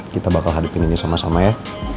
kita bakal hadapin ini sama sama ya